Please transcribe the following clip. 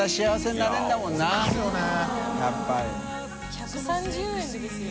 １３０円でですよ。